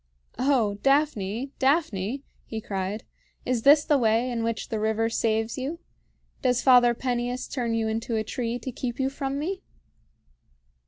"O Daphne! Daphne!" he cried, "is this the way in which the river saves you? Does Father Peneus turn you into a tree to keep you from me?"